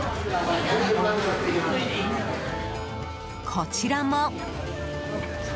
こちらも。